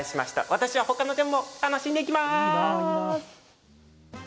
私は他のジャムも楽しんでいきます！